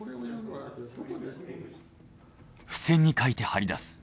付箋に書いて貼り出す。